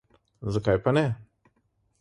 Zakaj pa ne?